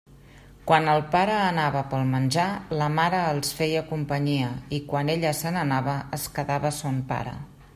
Quan el pare anava pel menjar, la mare els feia companyia, i quan ella se n'anava, es quedava son pare.